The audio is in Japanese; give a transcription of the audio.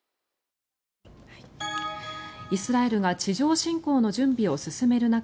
イスラエルが地上侵攻の準備を進める中